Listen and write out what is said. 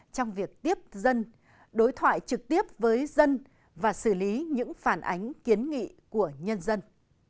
trong việc tiếp dân đối thoại trực tiếp với dân và xử lý những phản ánh kiến nghị của nhân dân